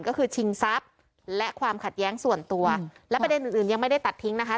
ก็คือชิงทรัพย์และความขัดแย้งส่วนตัวและประเด็นอื่นอื่นยังไม่ได้ตัดทิ้งนะคะ